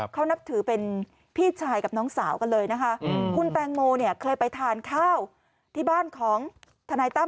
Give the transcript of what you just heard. เขานับถือเป็นพี่ชายกับน้องสาวกันเลยนะคะคุณแตงโมเนี่ยเคยไปทานข้าวที่บ้านของทนายตั้ม